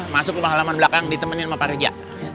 masuk ke halaman belakang ditemenin sama pak riza